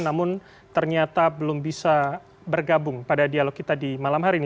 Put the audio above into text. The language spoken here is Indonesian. namun ternyata belum bisa bergabung pada dialog kita di malam hari ini